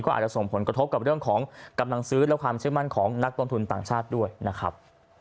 อาจจะส่งผลกระทบกับเรื่องของกำลังซื้อและความเชื่อมั่นของนักลงทุนต่างชาติด้วยนะครับ